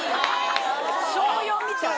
小４みたい。